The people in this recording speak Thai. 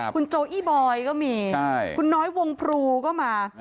คุณโจอี้บอยก็มีคุณน้อยวงพรูก็มา